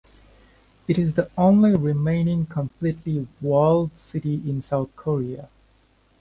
It is the only remaining completely walled city in South Korea.